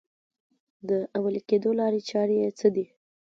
د عملي کېدو لارې چارې یې څه دي؟